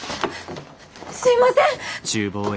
すいません！